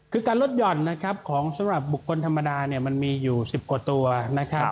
คือการลดหย่อนนะครับของสำหรับบุคคลธรรมดาเนี่ยมันมีอยู่๑๐กว่าตัวนะครับ